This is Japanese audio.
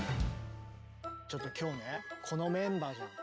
ちょっと今日ねこのメンバーじゃん。